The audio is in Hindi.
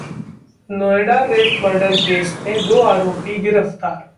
नोएडा रेप-मर्डर केस में दो आरोपी गिरफ्तार